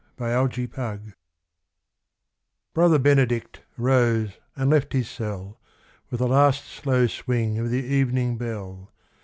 BROTHER BENEDICT Brother Benedict rose and left his cell With the last slow swing of the evening bell.